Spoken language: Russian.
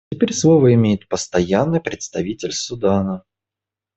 Теперь слово имеет Постоянный представитель Судана.